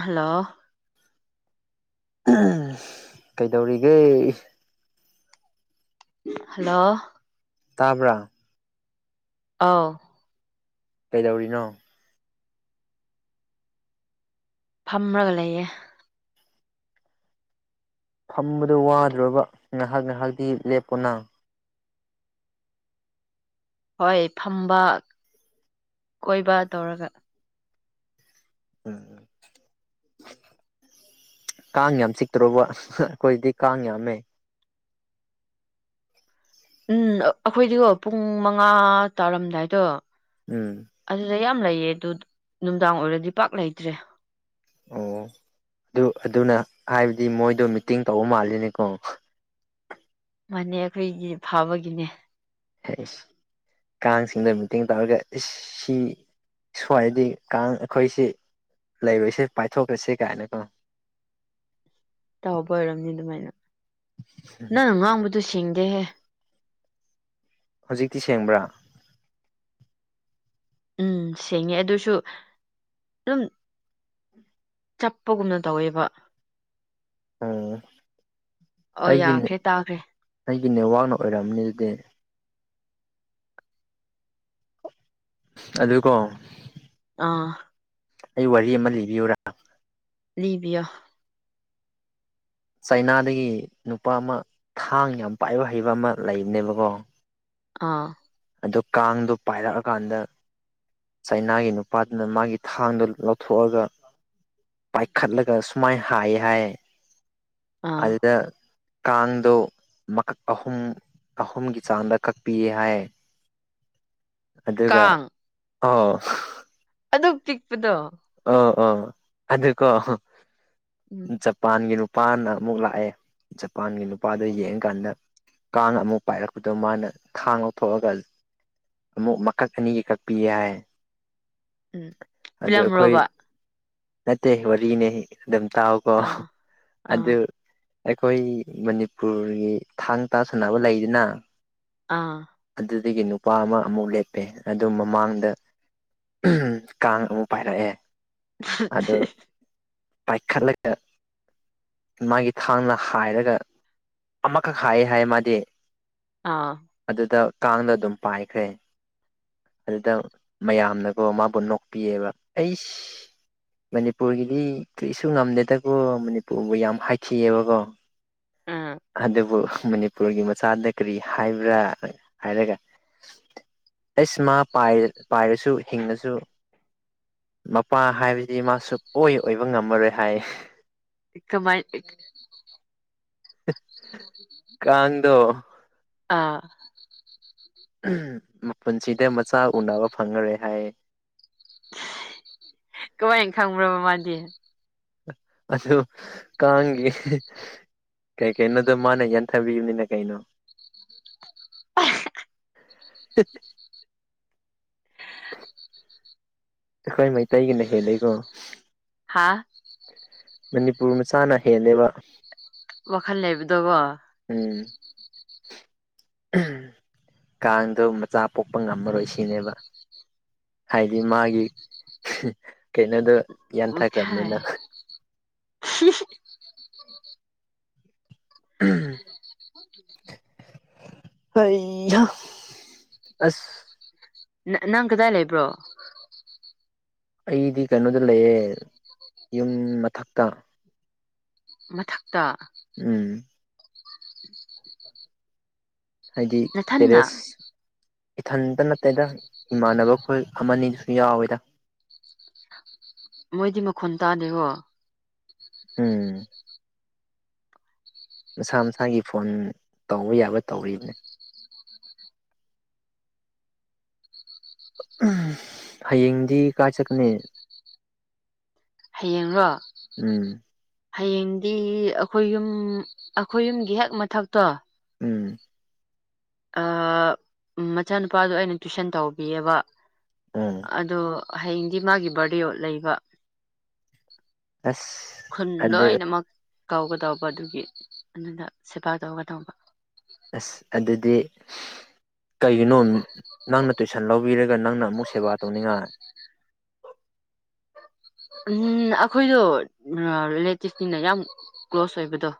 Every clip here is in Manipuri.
ꯍꯜꯂꯣ ꯀꯩꯗꯧꯔꯤꯒꯦ ꯍꯜꯂꯣ ꯇꯥꯕ꯭ꯔꯥ ꯑꯥꯎ ꯀꯩꯗꯧꯔꯤꯅꯣ ꯐꯝꯃꯒ ꯂꯩꯌꯦ ꯐꯝꯕꯗ ꯋꯥꯗ꯭ꯔꯕ ꯉꯥꯏꯍꯥꯛ ꯉꯥꯏꯍꯥꯛꯇꯤ ꯂꯦꯞꯄꯣꯅ ꯍꯣꯏ ꯐꯝꯕ ꯀꯣꯏꯕ ꯇꯧꯔꯒ ꯎꯝ ꯀꯥꯡ ꯌꯥꯝ ꯆꯤꯛꯇ꯭ꯔꯣꯕ ꯑꯩꯈꯣꯏꯗꯤ ꯀꯥꯡ ꯌꯥꯝꯃꯦ ꯎꯝ ꯑꯩꯈꯣꯏꯗꯤꯀꯣ ꯄꯨꯡ ꯃꯉꯥ ꯇꯥꯔꯝꯗꯥꯏꯗꯣ ꯎꯝ ꯃꯌꯥꯝ ꯂꯩꯌꯦ ꯑꯗꯨ ꯅꯨꯡꯗꯥꯡ ꯑꯣꯏꯔꯗꯤ ꯄꯥꯛ ꯂꯩꯇ꯭ꯔꯦ ꯑꯣ ꯑꯗꯨ ꯑꯗꯨꯅ ꯍꯥꯏꯕꯗꯤ ꯃꯣꯏꯗꯣ ꯃꯤꯇꯤꯡ ꯇꯧꯕ ꯃꯥꯜꯂꯤꯅꯤꯀꯣ ꯃꯅꯦ ꯑꯩꯈꯣꯏꯒꯤ ꯐꯥꯕꯒꯤꯅꯦ ꯀꯥꯡꯁꯤꯡꯗ ꯃꯤꯇꯤꯡ ꯇꯧꯔꯒ ꯁꯤ ꯁꯋꯥꯏꯗꯤ ꯀꯥꯡ ꯑꯩꯈꯣꯏꯁꯤ ꯂꯩꯕꯁꯦ ꯄꯥꯏꯊꯣꯛꯈ꯭ꯔꯁꯤ ꯀꯥꯏꯅꯀꯣ ꯇꯧꯕ ꯑꯣꯏꯔꯝꯅꯤ ꯑꯗꯨꯃꯥꯏꯅ ꯅꯪ ꯉꯥꯡꯕꯗꯨ ꯁꯦꯡ ꯗꯦ ꯍꯧꯖꯤꯛꯇꯤ ꯁꯦꯡꯕ꯭ꯔꯥ ꯎꯝ ꯁꯦꯡꯉꯦ ꯑꯗꯨꯁꯨ ꯑꯗꯨꯝ ꯆꯞꯄꯒꯨꯝꯅ ꯇꯧꯋꯦꯕ ꯎꯝ ꯑꯣ ꯑꯩꯒꯤꯅꯦ ꯌꯥꯈ꯭ꯔꯦ ꯇꯥꯈ꯭ꯔꯦ ꯑꯩꯒꯤ ꯅꯦꯠꯋꯥꯛꯅ ꯑꯣꯏꯔꯝꯅꯤ ꯑꯗꯨꯗꯤ ꯑꯗꯨꯀꯣ ꯑꯥ ꯑꯩ ꯋꯥꯔꯤ ꯑꯃ ꯂꯤꯕꯤꯌꯨꯔ ꯂꯤꯕꯤꯌꯣ ꯆꯩꯅꯥꯏꯗꯒꯤ ꯅꯨꯄ ꯑꯃ ꯊꯥꯡ ꯌꯥꯝ ꯄꯥꯏꯕ ꯍꯩꯕ ꯑꯃ ꯂꯩꯕꯅꯦꯕꯀꯣ ꯑꯥ ꯑꯗꯨ ꯀꯥꯡꯗꯣ ꯄꯥꯏꯔꯛꯑꯀꯥꯟꯗ ꯆꯩꯅꯥꯒꯤ ꯅꯨꯄꯥꯗꯨꯅ ꯃꯥꯒꯤ ꯊꯥꯡꯗꯣ ꯂꯧꯊꯣꯛꯑꯒ ꯄꯥꯏꯈꯠꯂꯒ ꯁꯨꯃꯥꯏ ꯍꯥꯏꯌꯦ ꯍꯥꯏꯌꯦ ꯑꯥ ꯑꯗꯨꯗ ꯀꯥꯡꯗꯣ ꯃꯀꯛ ꯑꯍꯨꯝ ꯑꯍꯨꯝꯒꯤ ꯆꯥꯡꯗ ꯀꯛꯄꯤꯌꯦ ꯍꯥꯏ ꯑꯗꯨꯒ ꯀꯥꯡ ꯑ ꯑꯗꯨ ꯄꯤꯛꯄꯗꯣ ꯑ ꯑ ꯑꯗꯨꯀꯣ ꯎꯝ ꯖꯄꯥꯟꯒꯤ ꯔ ꯖꯄꯥꯟꯅ ꯑꯃꯨꯛ ꯂꯥꯛꯑꯦ ꯖꯄꯥꯟꯒꯤ ꯅꯨꯄꯥꯗꯨ ꯌꯦꯡꯀꯥꯟꯗ ꯀꯥꯡ ꯑꯃꯨꯛ ꯄꯥꯏꯔꯛꯄꯗꯣ ꯃꯥꯅ ꯊꯥꯡ ꯂꯧꯊꯣꯛꯑꯒ ꯑꯃꯨꯛ ꯃꯀꯛ ꯑꯅꯤꯒꯤ ꯀꯛꯄꯤꯌꯦ ꯍꯥꯏꯌꯦ ꯎꯝ ꯐꯤꯂꯝ ꯂꯣꯕ ꯅꯠꯇꯦ ꯋꯥꯔꯤꯅꯦ ꯗꯝ ꯇꯥꯎꯀꯣ ꯑꯥ ꯑꯥ ꯑꯗꯨ ꯑꯩꯈꯣꯏ ꯃꯅꯤꯄꯨꯔꯒꯤ ꯊꯥꯡ ꯇꯥ ꯁꯥꯟꯅꯕ ꯂꯩꯗꯅ ꯑꯥ ꯑꯩꯒꯤ ꯅꯨꯄꯥ ꯑꯃ ꯑꯃꯨꯛ ꯂꯦꯞꯄꯦ ꯑꯗꯨ ꯃꯃꯥꯡꯗ ꯀꯥꯡ ꯑꯃꯨꯛ ꯄꯥꯏꯔꯛꯑꯦ ꯑꯗꯨ [unintelligible] ꯄꯥꯏꯈꯠꯂꯒ ꯃꯥꯒꯤ ꯊꯥꯡꯅ ꯍꯥꯏꯔꯒ ꯑꯃꯈꯛ ꯍꯥꯏꯌꯦ ꯍꯥꯏ ꯃꯥꯗꯤ꯫ ꯑꯥ ꯗꯨꯗ ꯀꯥꯡꯗ ꯑꯗꯨꯝ ꯄꯥꯏꯈ꯭ꯔꯦ ꯑꯗꯨꯗ ꯃꯌꯥꯝꯅꯀꯣ ꯃꯥꯕꯨ ꯅꯣꯛꯄꯤꯌꯦꯕ ꯑꯩꯁ꯫ ꯃꯅꯤꯄꯨꯔꯒꯤꯗꯤ ꯀ꯭ꯔꯤꯁꯨ ꯉꯝꯗꯦꯗꯀꯣ ꯃꯅꯤꯄꯨꯔꯕꯨ ꯌꯥꯝ ꯍꯥꯏꯈꯤꯌꯦꯕꯀꯣ꯫ ꯑꯥ ꯑꯗꯕꯨ ꯃꯅꯤ ꯃꯅꯤꯄꯨꯔꯒꯤ ꯃꯆꯥꯗ ꯀꯔꯤ ꯍꯥꯏꯕ꯭ꯔꯥ ꯍꯥꯏꯔꯒ ꯑꯩꯁ ꯃꯥ ꯄꯥꯏ ꯄꯥꯏꯔꯁꯨ ꯍꯤꯡꯉꯁꯨ ꯃꯄꯥ ꯍꯥꯏꯕ ꯁꯤ ꯃꯥ ꯁꯨꯛꯑꯣꯏ ꯑꯣꯏꯕ ꯉꯝꯃꯔꯣꯏ ꯍꯥꯏ꯫ ꯀꯃꯥꯏ꯫ ꯀꯥꯡꯗꯣ [inaudible] ꯑꯥ꯫ ꯃꯄꯨꯟꯁꯤꯗ ꯃꯆꯥ ꯎꯅꯕ ꯐꯪꯉꯔꯣꯏ ꯍꯥꯏꯌꯦ꯫ ꯀꯃꯥꯏꯅ ꯈꯪꯕ꯭ꯔꯕ ꯃꯥꯗꯤ꯫ ꯑꯗꯨ ꯀꯥꯡꯒꯤ ꯀꯩ ꯀꯩꯅꯣꯗꯣ ꯃꯥꯅ ꯌꯥꯟꯊꯕꯤꯕꯅꯤꯅ ꯀꯩꯅꯣ꯫ [unintelligible] [unintelligible] ꯑꯩꯈꯣꯏ ꯃꯩꯇꯩꯒꯤꯅ ꯍꯦꯜꯂꯦꯀꯣ꯫ ꯑꯥ ꯃꯅꯤꯄꯨꯔ ꯃꯆꯥꯅ ꯍꯦꯜꯂꯦꯕ꯫ ꯋꯥꯈꯜ ꯂꯩꯕꯗꯣꯒꯣ꯫ ꯎꯝ ꯀꯥꯡꯗꯣ ꯃꯆꯥ ꯄꯣꯛꯄ ꯉꯝꯃꯔꯣꯏ ꯁꯤꯅꯦꯕ ꯍꯥꯏꯗꯤ ꯃꯥꯒꯤ ꯀꯩꯅꯣꯗꯨ꯫ ꯈꯥꯏ ꯌꯥꯟꯊꯈ꯭ꯔꯝꯅꯤꯅ꯫ [unintelligible] ꯎꯝ ꯍꯩ [unintelligible] ꯑꯁ꯫ ꯅ ꯅꯪ ꯀꯗꯥꯏ ꯂꯩꯕ꯭ꯔꯣ꯫ ꯑꯩꯗꯤ ꯀꯩꯅꯣꯗ ꯂꯩꯌꯦ ꯌꯨꯝ ꯃꯊꯛꯇ꯫ ꯃꯊꯛꯇ꯫ ꯎꯝ ꯍꯥꯏꯗꯤ ꯅꯊꯟꯅ ꯇꯦꯔꯦꯁ꯫ ꯏꯊꯟꯇ ꯅꯠꯇꯦꯗ ꯏꯃꯥꯟꯅꯕ ꯑꯩꯈꯣꯏ ꯑꯃꯅꯤ ꯗꯨꯁꯨ ꯌꯥꯎꯋꯦꯗ꯫ ꯃꯣꯏꯗꯤ ꯃꯈꯣꯟ ꯇꯥꯗꯦꯀꯣ꯫ ꯎꯝ꯫ ꯃꯁꯥ ꯃꯁꯥꯒꯤ ꯐꯣꯟ ꯇꯧꯕ ꯌꯥꯕ ꯇꯧꯔꯤꯕꯅꯦ꯫ ꯍꯌꯦꯡꯗꯤ ꯀꯥꯏ ꯆꯠꯅꯤ꯫ ꯍꯌꯦꯡꯔꯣ꯫ ꯍꯌꯦꯡꯗꯤ ꯑꯩꯈꯣꯏ ꯌꯨꯝ ꯑꯩꯈꯣꯏ ꯌꯨꯝꯒꯤ ꯍꯦꯛ ꯃꯊꯛꯇꯣ꯫ ꯎꯝ ꯑ ꯃꯆꯥꯅꯨꯄꯥꯗꯣ ꯑꯩꯅ ꯇꯨꯏꯁꯟ ꯇꯧꯕꯤꯌꯦꯕ꯫ ꯎꯝ ꯑꯗꯣ ꯍꯌꯦꯡꯗꯤ ꯃꯥꯒꯤ ꯕ꯭ꯔꯗꯤꯌꯣ ꯂꯩꯕ꯫ ꯑꯁ ꯈꯨꯟ ꯑꯗꯨ꯫ ꯂꯣꯏꯅꯃꯛ ꯀꯧꯒꯗꯧꯕ ꯑꯗꯨꯒꯤ ꯑꯗꯨꯗ ꯁꯦꯕꯥ ꯇꯧꯒꯗꯧꯕ꯫ ꯑꯁ ꯑꯗꯨꯗꯤ ꯀꯩꯒꯤꯅꯣ ꯅꯪꯅ ꯇꯨꯏꯁꯟ ꯂꯧꯕꯤꯔꯒ ꯅꯪꯅ ꯑꯃꯨꯛ ꯁꯦꯕꯥ ꯇꯧꯅꯤꯡꯉꯥꯏ ꯎꯝ ꯑꯩꯈꯣꯏꯗꯣ ꯔꯤꯂꯦꯇꯤꯚꯅꯤꯅ ꯌꯥꯝ ꯀ꯭ꯂꯣꯁ ꯑꯣꯏꯕꯗꯣ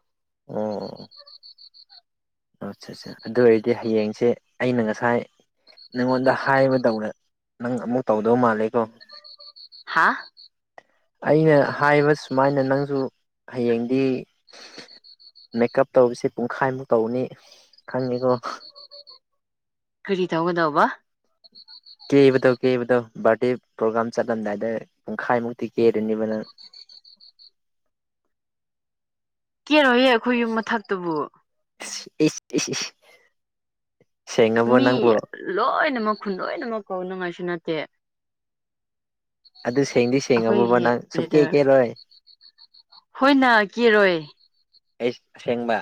ꯑꯁꯠꯆꯥ ꯑꯗꯨ ꯑꯣꯏꯔꯗꯤ ꯍꯌꯦꯡꯁꯦ ꯑꯩꯅ ꯉꯁꯥꯏ ꯅꯪꯉꯣꯟꯗ ꯍꯥꯏꯕ ꯗꯧꯅ ꯅꯪ ꯑꯃꯨꯛ ꯇꯧꯗꯧ ꯃꯥꯜꯂꯦꯀꯣ ꯍꯥꯥ ꯑꯩꯅ ꯍꯥꯏꯕ ꯁꯨꯃꯥꯏꯅ ꯅꯪꯁꯨ ꯍꯌꯦꯡꯗꯤ ꯃꯦꯀꯞ ꯇꯧꯔꯤꯁꯦ ꯄꯨꯡꯈꯥꯏꯃꯨꯛ ꯇꯧꯅꯤ ꯈꯪꯉꯦꯀꯣ ꯀꯔꯤ ꯇꯧꯒꯗꯧꯕ ꯀꯦꯕꯗꯣ ꯀꯦꯕꯗꯣ ꯕꯥꯔꯗꯦ ꯄ꯭ꯔꯣꯒ꯭ꯔꯥꯝ ꯆꯠꯂꯝꯗꯥꯏꯗ ꯄꯨꯡꯈꯥꯏꯃꯨꯛꯇꯤ ꯀꯦꯔꯅꯤꯕ ꯅꯪ ꯀꯦꯔꯣꯏꯍꯦ ꯑꯩꯈꯣꯏ ꯌꯨꯝ ꯃꯊꯛꯇꯨꯕꯨ ꯢꯁ ꯢꯁ ꯢꯁ ꯃꯤ ꯂꯣꯏꯅꯃꯛ ꯈꯨꯟ ꯂꯣꯏꯅꯃꯛ ꯀꯧꯅꯉꯥꯏꯁꯨ ꯅꯠꯇꯦ ꯑꯗꯨ ꯁꯦꯡꯗꯤ ꯁꯦꯡꯉꯕꯣꯕ ꯑꯩꯈꯣꯏꯒꯤ ꯅꯪ ꯁꯨꯛ ꯀꯦ ꯂꯤꯗꯔ ꯀꯦꯔꯣꯏ ꯍꯣꯏꯅ ꯀꯦꯔꯣꯏ ꯑꯩ ꯑꯁꯦꯡꯕ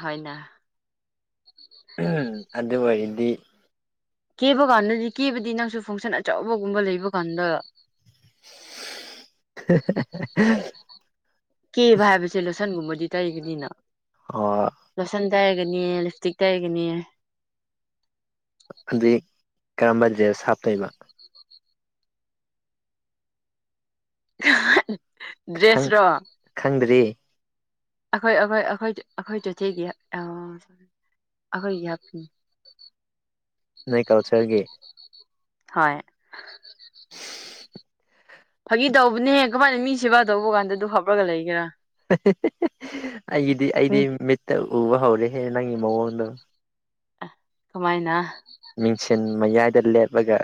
ꯍꯣꯏꯅ ꯑꯗꯨ ꯑꯣꯏꯔꯗꯤ ꯀꯦꯕ ꯀꯥꯟꯗꯗꯤ ꯀꯦꯕꯗꯤ ꯅꯪꯁꯨ ꯐꯪꯁꯟ ꯑꯆꯧꯕꯒꯨꯝꯕ ꯂꯩꯕ ꯀꯥꯟꯗ [unintelligible] ꯀꯦꯕ ꯍꯥꯏꯕꯁꯦ ꯂꯣꯁꯟꯒꯨꯝꯕ ꯗꯨ ꯇꯩꯒꯅꯤꯅ ꯑꯣ ꯂꯣꯁꯟ ꯇꯩꯔꯒꯅꯤ ꯂꯤꯞꯁꯇꯤꯛ ꯇꯩꯔꯒꯅꯤ ꯑꯗꯨꯏ ꯀꯔꯝꯕ ꯗ꯭ꯔꯦꯁ ꯍꯥꯞꯇꯣꯏꯕ [unintelligible] ꯈꯪ ꯗ꯭ꯔꯦꯁꯔꯣ ꯈꯪꯗ꯭ꯔꯤ ꯑꯩꯈꯣꯏ ꯑꯩꯈꯣꯏ ꯑꯩꯈꯣꯏ ꯑꯩꯈꯣꯏ ꯆꯣꯊꯦꯒꯤ ꯑꯩꯈꯣꯏꯒꯤ ꯍꯥꯞꯄꯤꯅꯤ ꯅꯣꯏ ꯀꯜꯆꯔꯒꯤ ꯍꯣꯏ ꯐꯥꯒꯤ ꯇꯧꯕꯅꯦꯍꯦ ꯀꯃꯥꯏꯅ ꯃꯤ ꯁꯦꯕꯥ ꯇꯧꯕ ꯀꯥꯟꯗ ꯑꯗꯨ ꯍꯥꯞꯔꯒ ꯂꯩꯒꯦꯔꯥ ꯑꯩꯒꯤꯗꯤ ꯃꯤ ꯑꯩꯗꯤ ꯃꯤꯠꯇ ꯎꯕ ꯍꯧꯔꯦ ꯍꯦ ꯅꯪꯉꯤ ꯃꯋꯣꯟꯗꯣ ꯀꯃꯥꯏꯅ ꯃꯤꯡꯁꯦꯟ ꯃꯌꯥꯏꯗ ꯂꯦꯞꯔꯒ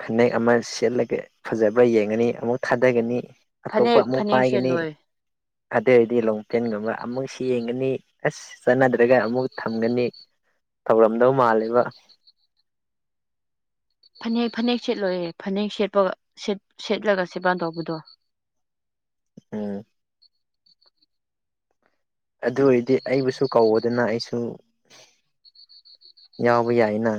ꯐꯅꯦꯛ ꯑꯃ ꯁꯦꯠꯂꯒ ꯐꯖꯕ꯭ꯔ ꯌꯦꯡꯉꯅꯤ ꯑꯃꯨꯛ ꯊꯥꯗꯒꯅꯤ ꯑꯇꯣꯞꯄ ꯐꯅꯦꯛ ꯑꯃꯨꯛ ꯐꯅꯦꯛ ꯄꯥꯏꯒꯅꯤ ꯁꯦꯠꯂꯣꯏ ꯑꯗꯨ ꯑꯣꯏꯔꯗꯤ ꯂꯣꯡꯄꯦꯟꯒꯨꯝꯕ ꯑꯃꯨꯛꯁꯤ ꯌꯦꯡꯒꯅꯤ ꯑꯁ ꯆꯠꯅꯗ꯭ꯔꯒ ꯑꯃꯨꯛ ꯊꯝꯒꯅꯤ ꯊꯧꯔꯝꯗꯧ ꯃꯥꯜꯂꯦ ꯕ ꯐꯅꯦꯛ ꯐꯅꯦꯛ ꯁꯦꯠꯂꯣꯏꯌꯦꯦ ꯐꯅꯦꯛ ꯁꯦꯠꯄ ꯁꯦꯠꯂꯒ ꯁꯦꯕꯥꯥꯟ ꯇꯧꯕꯗꯣ ꯎꯝ ꯑꯗꯨ ꯑꯣꯏꯔꯗꯤ ꯑꯩꯕꯨꯁꯨ ꯀꯧꯑꯣꯗꯅ ꯑꯩꯁꯨ ꯌꯥꯎꯕ ꯌꯥꯏꯅ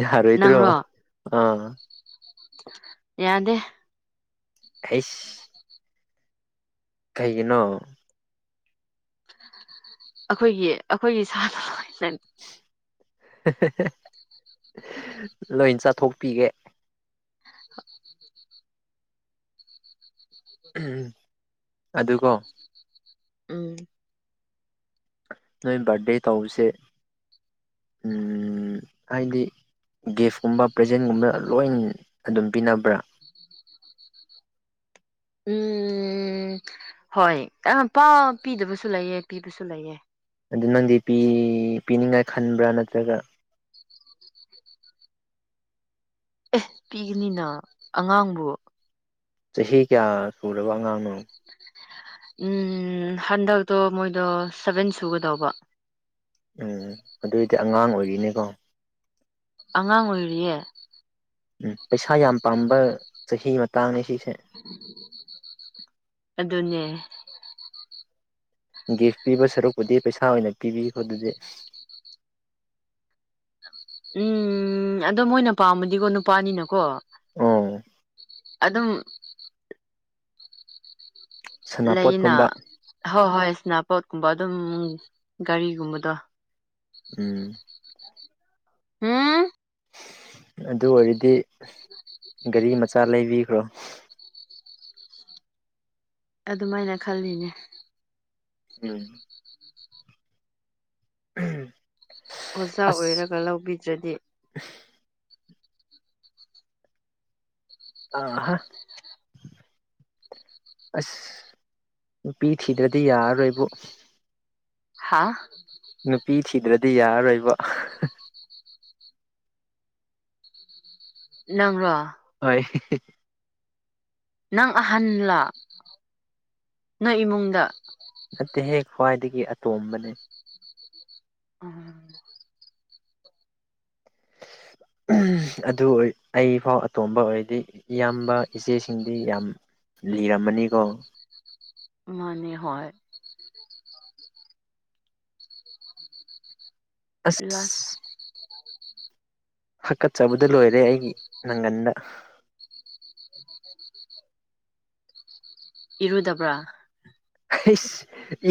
ꯌꯥꯍꯔꯣꯏꯗ꯭ꯔꯣ ꯅꯪꯔꯣ ꯑ ꯌꯥꯗꯦ ꯍꯩꯁ ꯀꯩꯒꯤꯅꯣ ꯑꯩꯈꯣꯏꯒꯤ ꯑꯩꯈꯣꯏꯒꯤ ꯁꯥꯇ ꯁꯦꯟ ꯂꯣꯏ ꯆꯥꯊꯣꯛꯄꯤꯒꯦ ꯎꯝ ꯑꯗꯨꯒꯣ ꯎꯝ ꯅꯣꯏ ꯕꯥꯔꯗꯦ ꯇꯧꯕꯁꯦ ꯍꯥꯏꯗꯤ ꯒꯤꯐꯀꯨꯝꯕ ꯄ꯭ꯔꯖꯦꯟꯒꯨꯝꯕ ꯂꯣꯏ ꯑꯗꯨꯝ ꯄꯤꯅꯕ꯭ꯔꯥ ꯎꯝ ꯍꯣꯏ ꯌꯥꯝ ꯄꯛ ꯄꯤꯗꯕꯁꯨ ꯂꯩꯌꯦ ꯄꯤꯕꯁꯨ ꯂꯩꯌꯦ ꯑꯗꯨ ꯅꯪꯗꯤ ꯄꯤ ꯄꯤꯅꯤꯡꯉꯥꯏ ꯈꯟꯕ꯭ꯔꯥ ꯅꯠꯇ꯭ꯔꯒ ꯑꯦ ꯄꯤꯒꯅꯤꯅ ꯑꯉꯥꯡꯕꯨ ꯆꯍꯤ ꯀꯌꯥ ꯁꯨꯔꯕ ꯑꯉꯥꯡꯅꯣ ꯎꯝ ꯍꯟꯗꯛꯇꯣ ꯃꯣꯏꯗꯣ ꯁꯚꯦꯟ ꯁꯨꯒꯗꯧꯕ ꯎꯝ ꯑꯗꯨꯏꯗꯤ ꯑꯉꯥꯡ ꯑꯣꯏꯔꯤꯅꯤꯀꯣ ꯑꯉꯥꯡ ꯑꯣꯏꯔꯤꯌꯦ ꯎꯝ ꯄꯩꯁꯥ ꯌꯥꯝ ꯄꯥꯝꯕ ꯆꯍꯤ ꯃꯇꯥꯡꯅꯤ ꯁꯤꯁꯦ ꯑꯗꯨꯅꯦ ꯒꯤꯐ ꯄꯤꯕ ꯁꯔꯨꯛꯄꯨꯗꯤ ꯄꯩꯁꯥ ꯑꯣꯏꯅ ꯄꯤꯕꯤꯈꯣ ꯑꯗꯨꯗꯤ ꯎꯝ ꯑꯗꯣ ꯃꯣꯏꯅ ꯄꯥꯝꯃꯗꯤꯀꯣ ꯅꯨꯄꯥꯅꯤꯅꯀꯣ ꯑꯝ ꯑꯗꯨꯝ ꯂꯩꯅ ꯁꯅꯥꯄꯣꯠꯀꯨꯝꯕ ꯍꯣꯏ ꯍꯣꯏ ꯁꯅꯥꯄꯣꯠꯀꯨꯝꯕ ꯑꯗꯨꯝ ꯒꯥꯔꯤꯒꯨꯝꯕꯗꯣ ꯎꯝ ꯍꯨꯝ ꯑꯗꯨ ꯑꯣꯏꯔꯗꯤ ꯒꯥꯔꯤ ꯃꯆꯥ ꯂꯩꯕꯤꯈ꯭ꯔꯣ ꯑꯗꯨꯃꯥꯏꯅ ꯈꯜꯂꯤꯅꯦ ꯎꯝ ꯎꯝ ꯑꯣꯖꯥ ꯑꯣꯏꯔꯒ ꯂꯧꯕꯤꯗ꯭ꯔꯗꯤ ꯑꯥꯍ ꯑꯁ ꯅꯨꯄꯤ ꯊꯤꯗ꯭ꯔꯗꯤ ꯌꯥꯔꯔꯣꯏꯕꯨ ꯍꯥꯥ ꯅꯨ ꯄꯤ ꯊꯤꯗ꯭ꯔꯗꯤ ꯌꯥꯔꯔꯣꯏꯕ ꯅꯪꯔꯣ ꯍꯣꯏ ꯅꯪ ꯑꯍꯟꯂ ꯅꯣꯏ ꯏꯃꯨꯡꯗ ꯅꯠꯇꯦꯍꯦ ꯈ꯭ꯋꯥꯏꯗꯒꯤ ꯑꯇꯣꯝꯕꯅꯤ ꯎꯝ ꯑꯗꯨ ꯑꯣꯏ ꯑꯩꯐꯥꯎ ꯑꯇꯣꯝꯕ ꯑꯣꯏꯔꯗꯤ ꯏꯌꯥꯝꯕ ꯏꯆꯦꯁꯤꯡꯗꯤ ꯌꯥꯝ ꯂꯤꯔꯝꯃꯅꯤꯀꯣ ꯃꯥꯅꯤ ꯍꯣꯏ ꯏ ꯍꯀꯠꯆꯕꯗ ꯂꯣꯏꯔꯦ ꯑꯩꯒꯤ ꯅꯒꯟꯗ ꯏꯔꯨꯗꯕ꯭ꯔꯥ ꯑꯩꯁ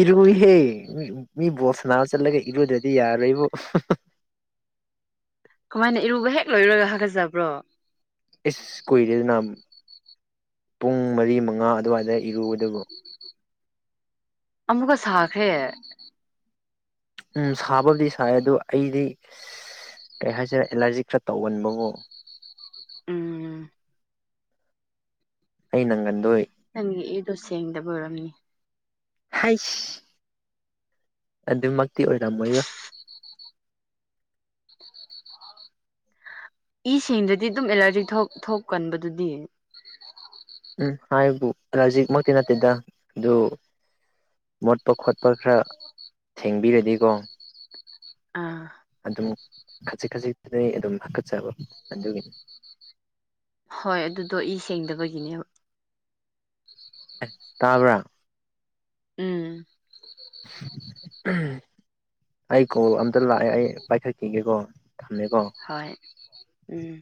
ꯏꯔꯨꯏꯍꯦ ꯃꯤ ꯕꯣꯁꯅꯥꯎ ꯆꯠꯂꯒ ꯏꯔꯨꯗ꯭ꯔꯗꯤ ꯌꯥꯔꯣꯏꯕ ꯀꯃꯥꯏꯅ ꯏꯔꯨꯕ ꯍꯦꯛ ꯂꯣꯏꯔꯣꯏꯒ ꯍꯥꯒꯠꯆꯕ꯭ꯔꯣ ꯏꯁ ꯀꯨꯏꯔꯦꯗꯅ ꯄꯨꯡ ꯃꯔꯤ ꯃꯉꯥ ꯑꯗꯨꯋꯥꯏꯗ ꯏꯔꯨꯕ ꯑꯗꯨꯕꯨ ꯑꯨꯀ ꯁꯥꯈ ꯎꯝ ꯁꯥꯕꯕꯨꯗꯤ ꯁꯥꯏ ꯑꯗꯨꯗꯣ ꯑꯩꯗꯤ ꯀꯩ ꯍꯥꯏꯁꯤꯔꯦ ꯑꯦꯂꯥꯔꯖꯤ ꯈꯔ ꯇꯧꯒꯟꯕ ꯉꯣ ꯎꯝ ꯑꯩ ꯅꯪꯟ ꯑꯗꯨ ꯅꯪꯒꯤ ꯏꯗꯣ ꯁꯦꯡꯗꯕ ꯑꯣꯏꯔꯝꯅꯤ ꯍꯩꯁ ꯑꯗꯨꯃꯛꯇꯤ ꯑꯣꯏꯔꯝꯃꯣꯏꯔ ꯏꯁꯤꯡꯗꯗꯤ ꯑꯗꯨꯝ ꯑꯦꯂꯔꯖꯤ ꯊꯣꯛꯀꯟꯕꯗꯨꯗꯤ ꯎꯝ ꯍꯥꯏꯕꯨꯂꯖꯤꯛꯃꯛꯇꯤ ꯅꯠꯇꯦꯗ ꯑꯗꯨ ꯃꯣꯠꯄ ꯈꯣꯠꯄ ꯈꯔ ꯊꯦꯡꯕꯤꯔꯗꯤꯀꯣ ꯑꯥ ꯑꯗꯨꯝ ꯈꯖꯤꯛ ꯈꯖꯤꯛꯇ ꯑꯩ ꯑꯗꯨꯝ ꯍꯥꯀꯠꯆꯕ ꯑꯗꯨꯒꯤꯅꯤ ꯍꯣꯏ ꯑꯗꯨꯗꯣ ꯏ ꯁꯦꯡꯗꯕꯒꯤꯅꯦꯕ ꯑꯦ ꯇꯥꯕ꯭ꯔꯥ ꯎꯝ ꯑꯩ ꯀꯣꯜ ꯑꯝꯇ ꯂꯥꯛꯑꯦ ꯑꯩ ꯄꯥꯏꯈꯠꯈꯤꯒꯦꯀꯣ ꯊꯝꯃꯦꯀꯣ ꯍꯣꯏ ꯎꯝ